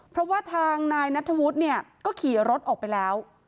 เพราะว่าทางนายนัทธวุฒิเนี่ยก็ขี่รถออกไปแล้ว